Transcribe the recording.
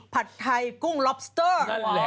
ผัดไทยกุ้งล็อบสเตอร์